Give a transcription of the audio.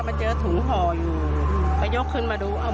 เอ้ยมาเจอถุงห่อยอยู่อืมมายกขึ้นมาดูเอ้า